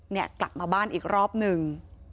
เนี่ยกลับมาบ้านอีกรอบนึง